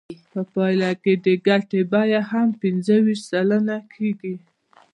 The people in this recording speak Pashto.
په پایله کې د ګټې بیه هم پنځه ویشت سلنه کېږي